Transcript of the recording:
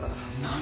何！